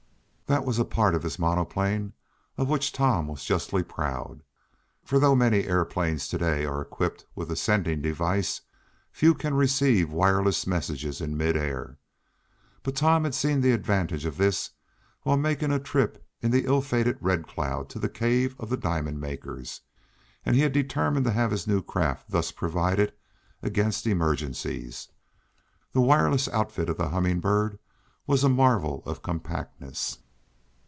That was a part of his monoplane of which Tom was justly proud, for though many aeroplanes to day are equipped with the sending device, few can receive wireless messages in mid air. But Tom had seen the advantage of this while making a trip in the ill fated Red Cloud to the cave of the diamond makers, and he determined to have his new craft thus provided against emergencies. The wireless outfit of the Humming Bird was a marvel of compactness.